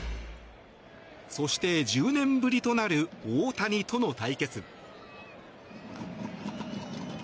そして、１０年ぶりとなる大谷との対決。